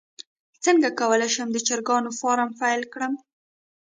څنګه کولی شم د چرګانو فارم پیل کړم